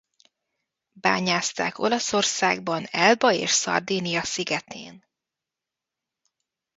Bányászták Olaszországban Elba és Szardínia szigetén.